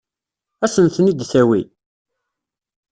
Ad sen-ten-id-tawi?